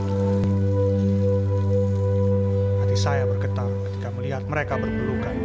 hati saya bergetar ketika melihat mereka berpelukan